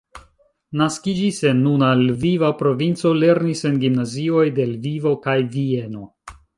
Naskiĝis en nuna Lviva provinco, lernis en gimnazioj de Lvivo kaj Vieno.